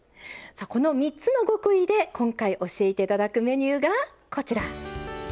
この３つの極意で今回教えていただくメニューがこちら。